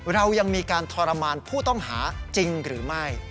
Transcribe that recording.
เรายังมีการทรมานผู้ต้องหาจริงหรือไม่